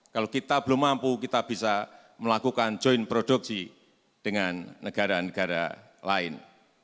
kalau kita belum mampu kita bisa melakukan join produksi dengan negara negara lain